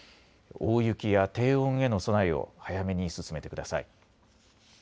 大雪や低温への備えを早めに進めてください。